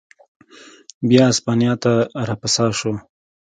بیا اسپانیا ته را پرشا شو.